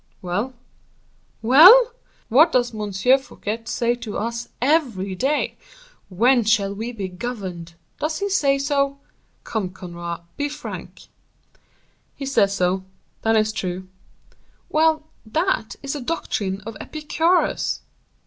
"Well?" "Well! what does M. Fouquet say to us every day? 'When shall we be governed?' Does he say so? Come, Conrart, be frank." "He says so, that is true." "Well, that is a doctrine of Epicurus."